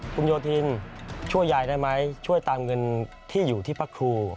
คุณโยธินช่วยยายได้ไหมช่วยตามเงินที่อยู่ที่พระครู